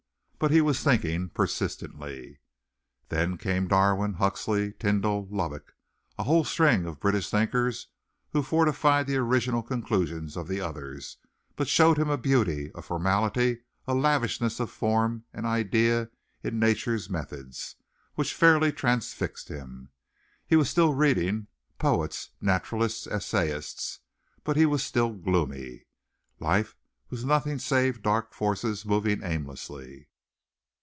But he was thinking persistently. Then came Darwin, Huxley, Tyndall, Lubbock a whole string of British thinkers who fortified the original conclusions of the others, but showed him a beauty, a formality, a lavishness of form and idea in nature's methods which fairly transfixed him. He was still reading poets, naturalists, essayists, but he was still gloomy. Life was nothing save dark forces moving aimlessly.